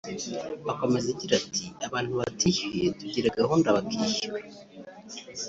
Akomeza agira ati“Abantu batishyuye tugira gahunda bakishyura